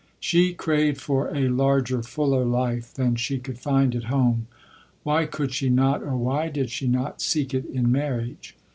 She craved for a larger, fuller life than she could find at home. Why could she not, or why did she not, seek it in marriage?